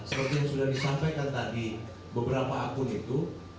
seperti yang sudah disampaikan tadi beberapa akun itu